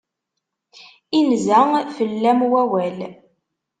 Inza fell-am wawal.